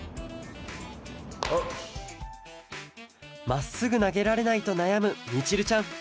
まっすぐなげられないとなやむみちるちゃん！